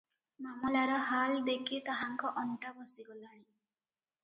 ମାମଲାର ହାଲ ଦେଖି ତାହାଙ୍କ ଅଣ୍ଟା ବସିଗଲାଣି ।